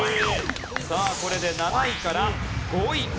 さあこれで７位から５位。